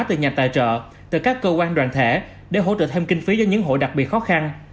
từ nhà tài trợ từ các cơ quan đoàn thể để hỗ trợ thêm kinh phí cho những hộ đặc biệt khó khăn